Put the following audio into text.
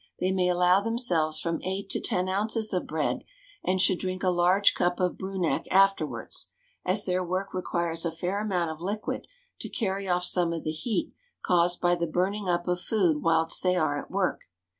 they may allow themselves from 8 to 10 oz. of bread, and should drink a large cup of Brunak afterwards, as their work requires a fair amount of liquid to carry off some of the heat caused by the burning up of food whilst they are at work.